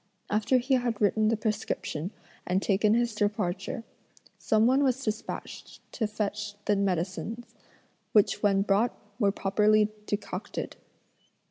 After he had written the prescription and taken his departure, some one was despatched to fetch the medicines, which when brought were properly decocted.